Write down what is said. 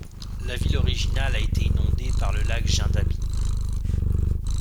La ville originale a été inondée par le lac Jindabyne.